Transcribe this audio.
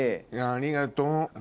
ありがとう。